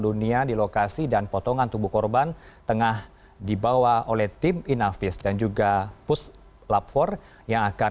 dunia di lokasi dan potongan tubuh korban tengah dibawa oleh tim inavis dan juga puslap empat yang akan